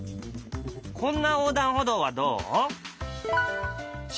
こんな横断歩道はどう？